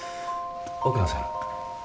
奥野さん。